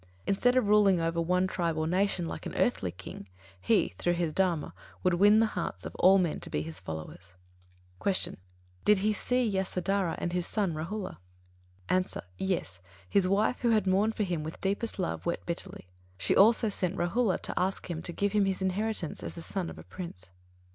Instead of ruling over one tribe or nation, like an earthly king, he, through his Dharma, would win the hearts of all men to be his followers. 88. Q. Did he see Yasodharā and his son Rāhula? A. Yes. His wife, who had mourned for him with deepest love, wept bitterly. She also sent Rāhula to ask him to give him his inheritance, as the son of a prince.